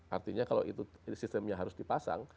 artinya kalau itu sistemnya harus dipasang